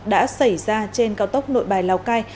đã xảy ra trên cao tốc nội bài lào cai